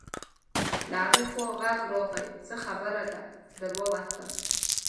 له هغې خوا غږ راغی: څه خبره ده، در ووتم.